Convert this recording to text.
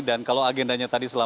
dan kalau agendanya tadi berlaku